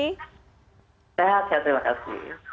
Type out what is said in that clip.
sehat ya terima kasih